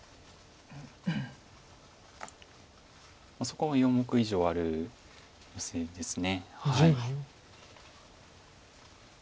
そこは４目以上あるヨセです。